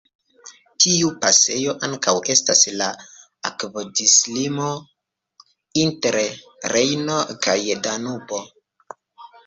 Tiu pasejo ankaŭ estas la akvodislimo inter Rejno kaj Danubo.